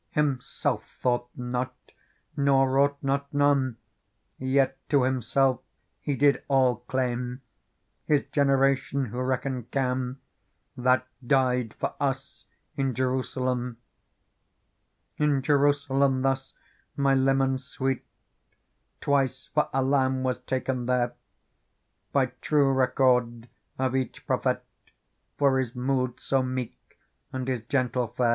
Himself thought not nor wrought not none. Yet to Himself He did all claim ; His generation who reckon can, That died for us in Jerusalem ? Digitized by Google 36 PEARL •" In Jerusalem thus my leman sweet Twice for a Lamb was taken there By true record of each prophete, For His mood so meek and His gentle fare.